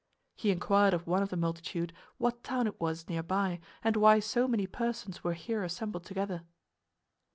He inquired of one of the multitude what town it was near by and why so many persons were here assembled together.